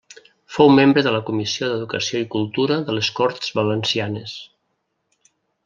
Fou membre de la Comissió d'Educació i Cultura de les Corts Valencianes.